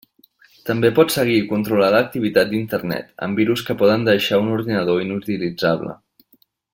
També pot seguir i controlar l'activitat d'internet, amb virus que poden deixar un ordinador inutilitzable.